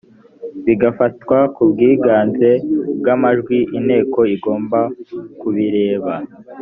bigafatwa ku bwiganze bw amajwi inteko igomba kubireba